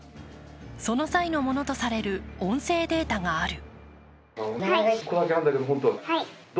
その際のものとされる音声データがある。